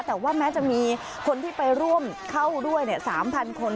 แต่ว่าแม้จะมีคนที่ไปร่วมเข้าด้วย๓๐๐คน